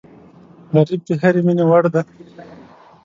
غریب د هرې مینې وړ دی